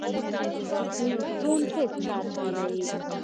نیوټرون هېڅ چارج نه لري.